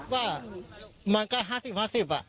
ว่ามันก็๕๐๕๐อ่ะ